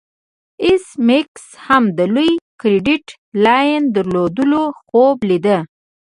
ایس میکس هم د لوی کریډیټ لاین درلودلو خوب لیده